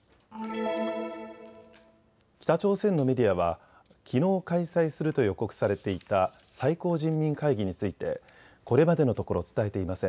北朝鮮のメディアはきのう開催すると予告されていた最高人民会議についてこれまでのところ伝えていません。